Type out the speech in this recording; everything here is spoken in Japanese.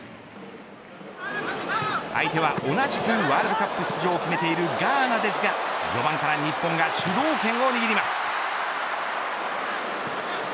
相手は同じくワールドカップ出場を決めているガーナですが序盤から日本が主導権を握ります。